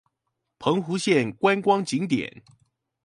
澎湖縣觀光景點